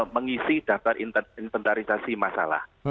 mengisi daftar inventarisasi masalah